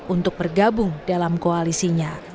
untuk bergabung dalam koalisinya